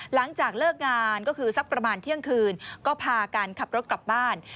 หลังจากเลิกงานก็คือสักประมาณเที่ยงคืนก็พากันขับรถกลับบ้าน